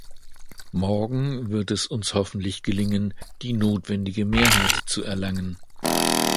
Morgen wird es uns hoffentlich gelingen, die notwendige Mehrheit zu erlangen.